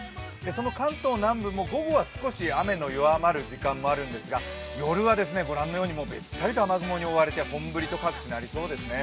その関東南部も午後から少し雨の弱まる期間があるんですが夜はべったりと雨雲に覆われて本降りと各地なりそうですね。